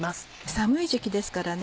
寒い時期ですからね